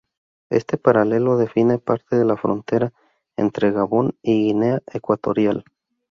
Este paralelo define parte de la frontera entre Gabón y Guinea Ecuatorial.